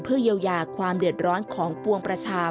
เพื่อเยียวยาความเดือดร้อนของปวงประชา